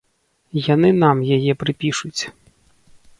Яны нам яе прыпішуць.